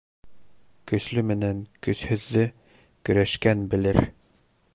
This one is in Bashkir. Көслө менән көсһөҙҙө көрәшкән белер.